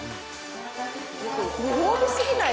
ご褒美すぎない？